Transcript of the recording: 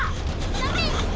ダメ！